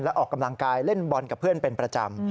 และออกกำลังกายเล่นบอลกับเพื่อนเป็นประจำ